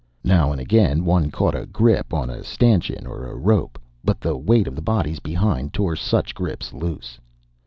Now and again one caught a grip on a stanchion or a rope; but the weight of the bodies behind tore such grips loose.